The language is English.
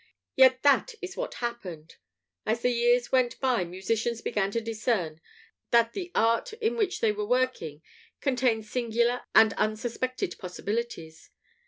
Yet that is what happened. As the years went by musicians began to discern that the art in which they were working contained singular and unsuspected possibilities.